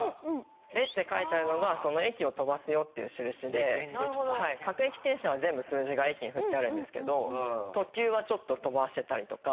「レ」って書いてあるのがその駅を飛ばすよっていう印で各駅停車は全部数字が駅に振ってあるんですけど特急はちょっと飛ばしてたりとか。